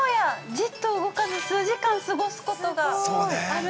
じっと動かず数時間すごすことがある。